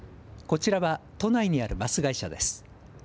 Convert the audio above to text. こちらは都内にあるバス会社です。